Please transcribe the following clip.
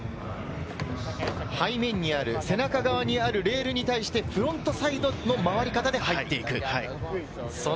背面にある、背中側にあるレールに対して、フロントサイドの回り方で入っていく。